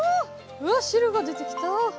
うわっ汁が出てきた。